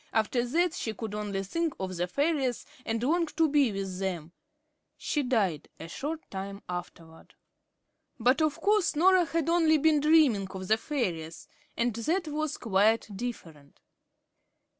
After that, she could only think of the fairies, and long to be with them. She died a short time afterward. But, of course, Norah had only been dreaming of the fairies. That was quite different.